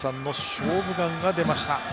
「勝負眼」が出ました。